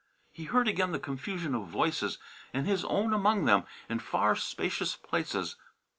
He heard again the confusion of voices, and his own among them, in far spacious places.